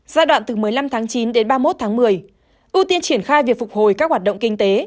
giai đoạn từ một mươi năm tháng chín đến ba mươi một tháng một mươi ưu tiên triển khai việc phục hồi các hoạt động kinh tế